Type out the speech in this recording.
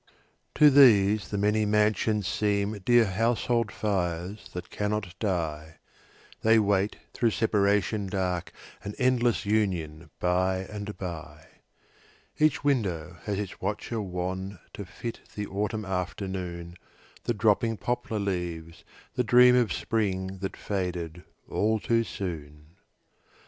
To these the many mansions seem Dear household fires that cannot die; They wait through separation dark An endless union by and by. Each window has its watcher wan To fit the autumn afternoon, The dropping poplar leaves, the dream Of spring that faded all too soon.